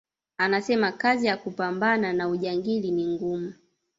Anasema kazi ya kupambana na ujangili ni ngumu